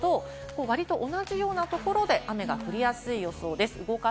割と同じようなところで雨が降りやすい予想です。